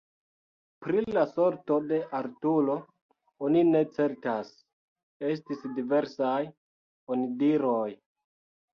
Pri la sorto de Arturo oni ne certas: estis diversaj onidiroj.